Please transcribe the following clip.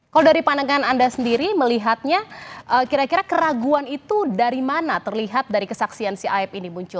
kalau dari pandangan anda sendiri melihatnya kira kira keraguan itu dari mana terlihat dari kesaksian si aib ini muncul